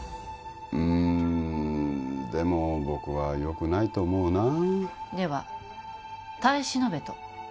うーんでも僕はよくないと思うなでは耐え忍べと？